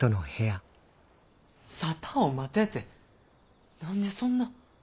沙汰を待てって何でそんな。